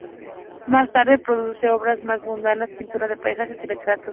Más tarde, produce obras más mundanas, pintura de paisajes y retratos.